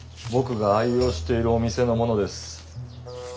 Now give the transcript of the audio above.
僕が愛用しているお店のものです。